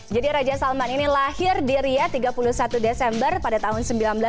jadi raja salman ini lahir di ria tiga puluh satu desember pada tahun seribu sembilan ratus tiga puluh lima